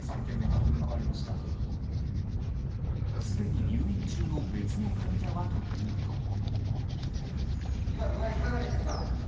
すでに入院中の別の患者はというと。